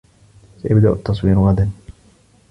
سيبدأ التّصوير غدا.